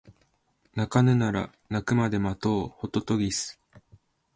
鳴かぬなら鳴くまで待とうホトトギス